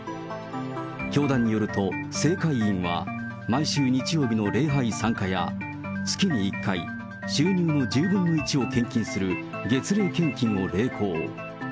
教団によると、正会員は、毎週日曜日の礼拝参加や、月に１回、収入の１０分の１を献金する、月例献金を励行。